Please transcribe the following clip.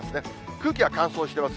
空気は乾燥してます。